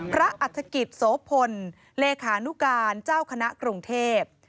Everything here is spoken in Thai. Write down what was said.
อัฐกิจโสพลเลขานุการเจ้าคณะกรุงเทพ